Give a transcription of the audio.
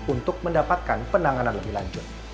untuk mendapatkan penanganan lebih lanjut